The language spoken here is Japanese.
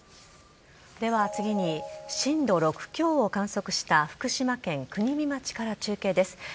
では、次に震度６強を観測した福島県国見町から中継です。